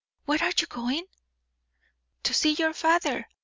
Where are you going?" "To see your father.